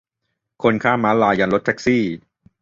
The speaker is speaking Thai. คนข้ามม้าลายยันรถแท็กซี่